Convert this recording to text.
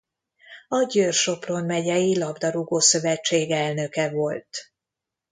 A Győr-Sopron Megyei Labdarúgó-szövetség elnöke volt.